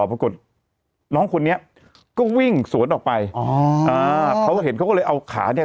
ปรากฏน้องคนนี้ก็วิ่งสวนออกไปอ๋ออ่าเขาเห็นเขาก็เลยเอาขาเนี่ย